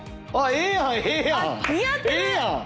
ええやん！